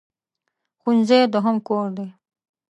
ښوونځی دوهم کور دی.